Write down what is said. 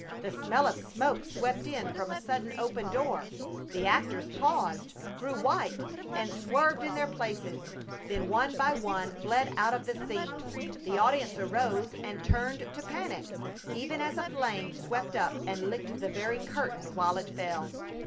The smell of smoke swept in from a sudden open door. The actors paused, grew white, and swerved in their places; then one by one fled out of the scene. The audience arose and turned to panic, even as a flame swept up and licked the very curtain while it fell.